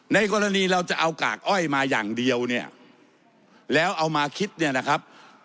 ในกรณีเราจะเอากากอ้อยมาอย่างเดียวเนี่ยแล้วเอามาคิดเนี่ยนะครับ